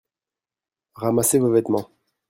Ramassez vos vêtements.